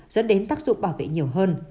dẫn đến tác dụng bảo vệ nhiều hơn